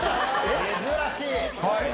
珍しい。